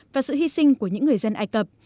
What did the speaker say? và sự hy sinh của những người dân ai cập